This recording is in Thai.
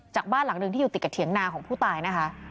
บ้านหลังหนึ่งที่อยู่ติดกับเถียงนาของผู้ตายนะคะ